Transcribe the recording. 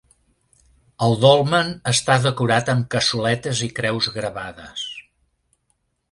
El dolmen està decorat amb cassoletes i creus gravades.